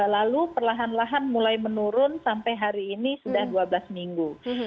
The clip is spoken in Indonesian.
lalu perlahan lahan mulai menurun sampai hari ini sudah dua belas minggu